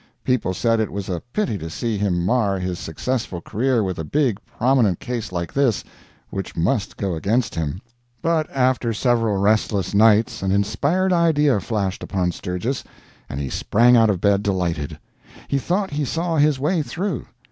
People said it was a pity to see him mar his successful career with a big prominent case like this, which must go against him. But after several restless nights an inspired idea flashed upon Sturgis, and he sprang out of bed delighted. He thought he saw his way through.